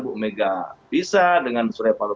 bu omega bisa dengan suraya palu